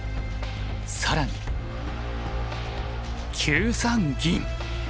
更に９三銀。